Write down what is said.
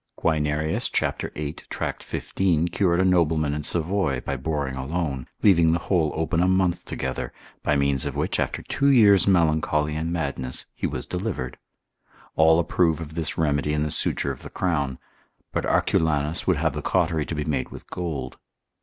Guianerius c. 8. Tract. 15. cured a nobleman in Savoy, by boring alone, leaving the hole open a month together, by means of which, after two years' melancholy and madness, he was delivered. All approve of this remedy in the suture of the crown; but Arculanus would have the cautery to be made with gold.